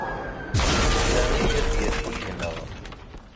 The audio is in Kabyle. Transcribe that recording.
Sami ad d-yas yid-neɣ.